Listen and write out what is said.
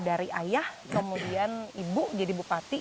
dari ayah kemudian ibu jadi bupati